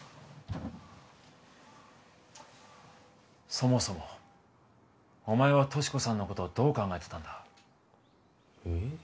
そもそもお前は俊子さんのことをどう考えてたんだえッ？